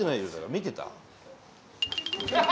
見てた？